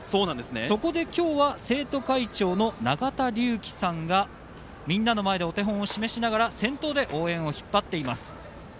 そこで今日は生徒会長の永田龍輝さんが、みんなの前でお手本を示しながら、先頭で応援を引っ張っています。